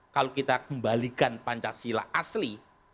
kalau kita kembalikan pancasila asli